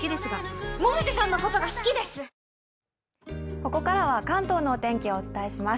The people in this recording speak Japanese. ここからは関東のお天気をお伝えします。